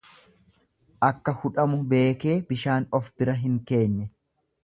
Akka hudhamu beekee bishaan of bira hin keenye.